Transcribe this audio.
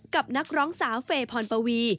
นักร้องสาวเฟย์พรปวี